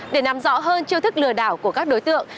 để làm rõ hơn chiêu thức lừa đảo của các đối tượng